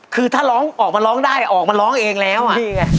คือถ้าร้องออกมาร้องได้ออกมาร้องเองแล้วอ่ะนี่ไง